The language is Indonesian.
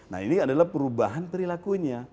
nah ini adalah perubahan perilakunya